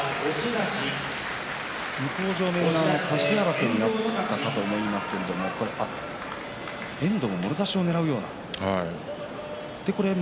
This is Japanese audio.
向正面側差し手争いになったかと思いますが遠藤ももろ差しをねらうような。